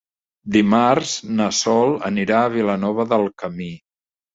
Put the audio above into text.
Dimarts na Sol anirà a Vilanova del Camí.